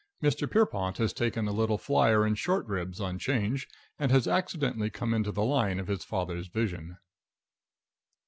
|| Pierrepont has taken a || little flyer in short || ribs on 'Change, and has || accidentally come into || the line of his father's || vision.